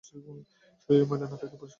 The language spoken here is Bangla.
শরীরে ময়লা না থাকলে পরিস্কার করব কিভাবে?